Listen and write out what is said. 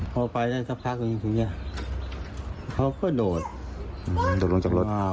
พ่อไปได้ทั้งนี่พ่อพ่อโดดโดดลงจากรถผมจับมาทำ